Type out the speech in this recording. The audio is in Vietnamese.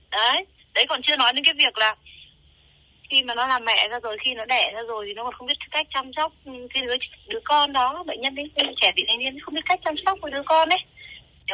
đấy đấy còn chưa nói đến cái việc là khi mà nó làm mẹ ra rồi khi nó đẻ ra rồi thì nó còn không biết cách chăm sóc đứa con đó bệnh nhân đến khi trẻ bị thành niên không biết cách chăm sóc của đứa con ấy